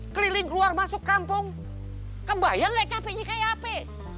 keliling keluar masuk kampung kebayang nggak capeknya kayak apa